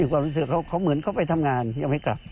ก็คิดว่าเขาเหมือนเขาไปทำงานไม่กลับ